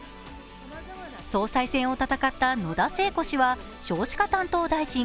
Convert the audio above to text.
総裁選を戦った野田聖子氏は少子化担当大臣。